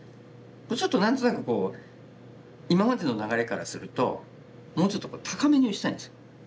ちょっと何となく今までの流れからするともうちょっと高めに打ちたいんです。